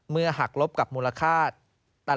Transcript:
เมื่อหักลบกับมูลค่าตะหลิวแล้วนะครับ